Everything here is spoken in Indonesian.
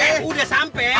eh udah sampai